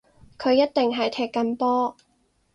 佢一定係踢緊波